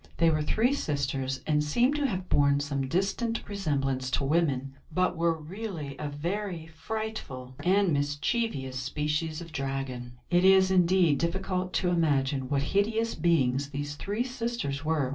They were three sisters, and seem to have borne some distant resemblance to women, but were really a very frightful and mischievous species of dragon. It is, indeed, difficult to imagine what hideous beings these three sisters were.